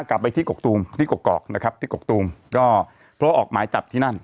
กลับไปที่กกตูมที่กกอกนะครับที่กกตูมก็เพราะว่าออกหมายจับที่นั่น